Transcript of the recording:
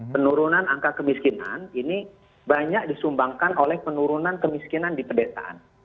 penurunan angka kemiskinan ini banyak disumbangkan oleh penurunan kemiskinan di pedesaan